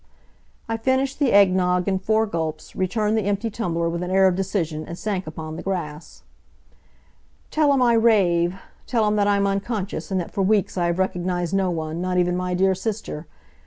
I finished the egg nogg in four gulps, returned the empty tumbler with an air of decision, and sank upon the grass. "Tell 'em I rave. Tell 'em that I'm unconscious, and that for weeks I have recognized no one, not even my dear sister.